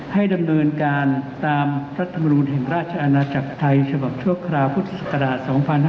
ให้ดำเนินการตามรัฐมนูลแห่งราชอาณาจักรไทยฉบับชั่วคราวพุทธศักราช๒๕๕๙